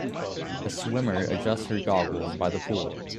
A swimmer adjusts her goggles by the pool